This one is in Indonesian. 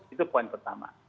itu poin pertama